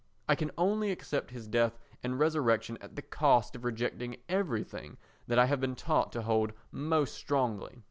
I can only accept his death and resurrection at the cost of rejecting everything that I have been taught to hold most strongly.